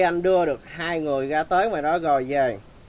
anh đưa được hai người ra tới mà nó gọi về